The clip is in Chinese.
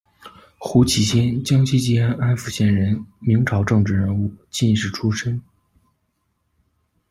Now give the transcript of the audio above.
胡启先，江西吉安安福县人，明朝政治人物、进士出身。